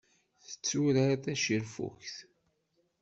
Tetturar tacirfugt.